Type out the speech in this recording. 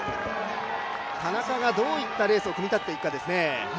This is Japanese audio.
田中がどういったレースを組み立てていくかですね。